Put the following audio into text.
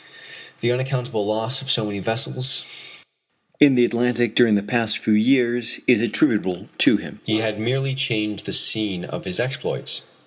The unaccountable loss of so many vessels in the Atlantic during the past few years is attributable to him. He had merely changed the scene of his exploits.